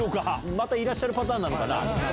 またいらっしゃるパターンなのかな。